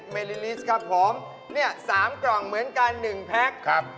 ๑๘๐เมลิลิตรครับผม